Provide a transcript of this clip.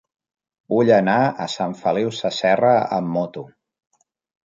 Vull anar a Sant Feliu Sasserra amb moto.